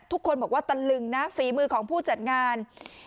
ทุกคนบอกว่าตะลึงนะฝีมือของผู้จัดงาน